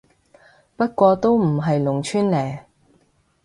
不過都唔係農村嘞